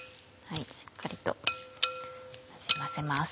しっかりとなじませます。